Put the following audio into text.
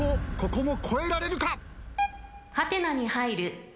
ここも越えられるか？